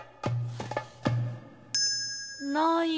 ない。